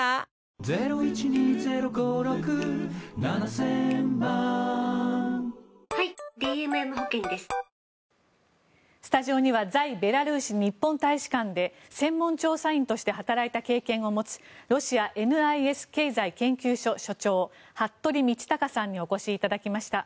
スタジオには在ベラルーシ日本大使館で専門調査委員として働いた経験を持つロシアＮＩＳ経済研究所所長服部倫卓さんにお越しいただきました。